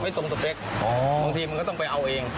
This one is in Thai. บางทีมันก็ต้องไปตามไปเอาเอง